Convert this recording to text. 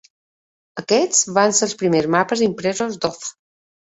Aquests van ser els primers mapes impresos d'Oz.